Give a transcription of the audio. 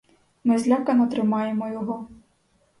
Ми злякано тримаємо його.